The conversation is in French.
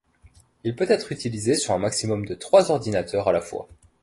Il peut être utilisé sur un maximum de trois ordinateurs à la fois.